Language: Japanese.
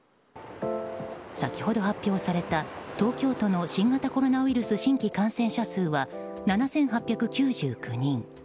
先ほど発表された東京都の新型コロナウイルス新規感染者数は７８９９人。